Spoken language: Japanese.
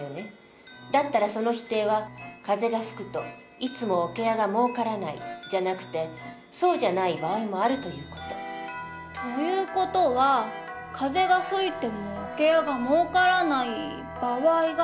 だったらその否定は「風が吹くといつも桶屋がもうからない」じゃなくてそうじゃない場合もあるという事。という事はそうそれでいいの。